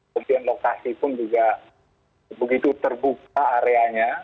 kemudian lokasi pun juga begitu terbuka areanya